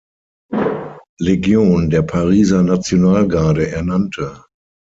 Legion der Pariser Nationalgarde ernannte.